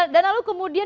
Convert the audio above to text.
dan lalu kemudian